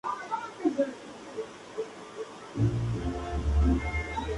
Juntos enfrentan el crimen y exóticas amenazas.